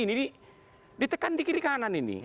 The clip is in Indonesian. ini ditekan di kiri kanan ini